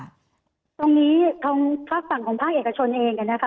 ตรงนี้ทางฝากฝั่งของภาคเอกชนเองนะคะ